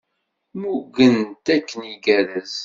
Mmugen-t akken igerrez.